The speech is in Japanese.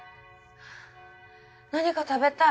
何か食べたい。